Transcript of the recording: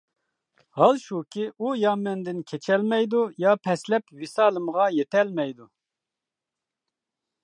ھال شۇكى، ئۇ يا مەندىن كېچەلمەيدۇ، يا پەسلەپ ۋىسالىمغا يېتەلمەيدۇ.